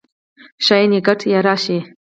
ښايي نګهت یې راشي